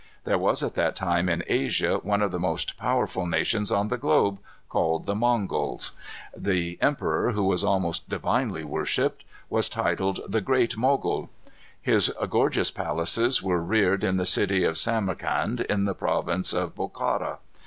There was, at that time, in Asia, one of the most powerful nations on the globe, called the Mongols. The emperor, who was almost divinely worshipped, was titled the Great Mogul. His gorgeous palaces were reared in the city of Samarcand, in the province of Bokhara.